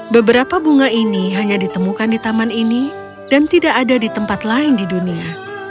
beberapa bunga ini hanya ditemukan di taman ini dan tidak ada di tempat lain di dunia